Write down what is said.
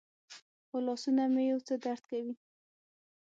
خو لاسونه مې یو څه درد کوي.